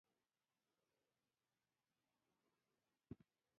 د موبايل په سيټ کې يې سيمکارت واچوه.